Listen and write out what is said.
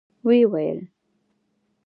و يې ويل.